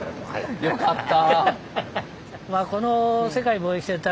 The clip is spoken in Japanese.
よかった。